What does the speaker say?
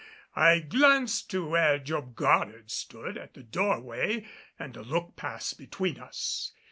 I glanced to where Job Goddard stood at the doorway and a look passed between us.